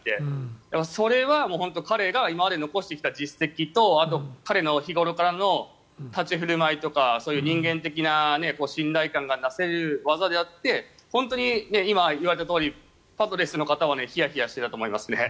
それは彼が今まで残してきた実績とあと、彼の日頃からの立ち振る舞いとかそういう人間的な信頼感がなせる技であって本当に今、言われたとおりパドレスの方はひやひやしていたと思います。